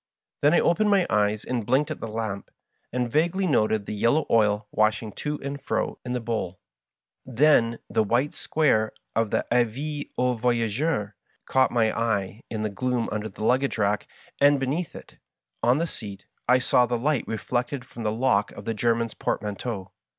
Then I opened my eyes and blinked at the lamp, and vaguely noted the yellow oil washing to and fro in the bowl. Then the white square of the " Avis aux Voyageurs " caught my eye in the gloom under the luggage rack, and beneath it,' on the seat, I saw the light reflected from the lock of the Grerman's portmanteau.